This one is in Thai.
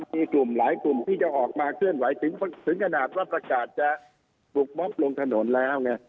มีกลุ่มหลายกลุ่มที่จะออกมาเคลื่อนไหวถึงขนาดว่าประกาศจะบุกม็อบลงถนนแล้วไง